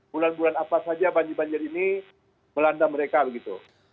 bulan bulan apa saja banjir banjir ini melanda mereka begitu